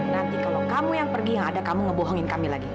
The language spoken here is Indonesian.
nanti kalau kamu yang pergi yang ada kamu ngebohongin kami lagi